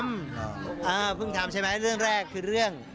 อ่าเพิ่งทำใช่ไหมเรื่องแรกคือเรื่อง